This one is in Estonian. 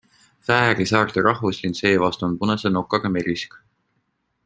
Fääri saarte rahvuslind seevastu on punase nokaga merisk.